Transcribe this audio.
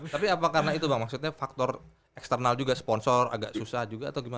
tapi apa karena itu bang maksudnya faktor eksternal juga sponsor agak susah juga atau gimana